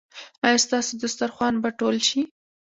ایا ستاسو دسترخوان به ټول شي؟